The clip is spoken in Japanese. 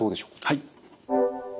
はい。